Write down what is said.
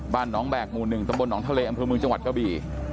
บ้านหนองแบกหมู่หนึ่งตำบลหนองทะเลอำพลวงจังหวัดเกาะบี